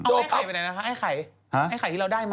เอาแอดไข่ไปไหนแล้วครับ